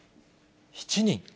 ７人。